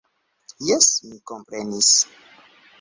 Jes, mi komprenis.